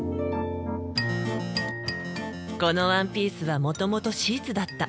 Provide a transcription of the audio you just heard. このワンピースはもともとシーツだった。